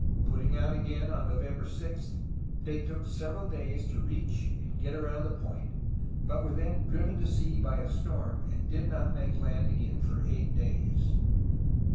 Putting out again on November 6, they took several days to reach and get around the point, but were then driven to sea by a storm, and did not make land again for eight days.